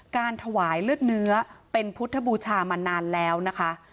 การถวายเลือดเนื้อเป็นพุทธบูชามานานแล้วนะคะ